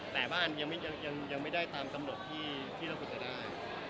แต่บ้านยังไม่ได้ตามกำหนดที่เราควรจะได้